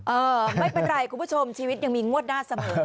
เออไม่เป็นไรคุณผู้ชมชีวิตยังมีงวดหน้าเสมอ